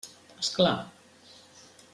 És clar.